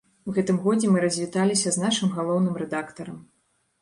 У гэтым годзе мы развіталіся з нашым галоўным рэдактарам.